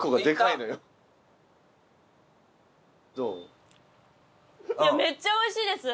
いやめっちゃおいしいです。